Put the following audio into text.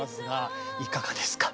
いかがですか？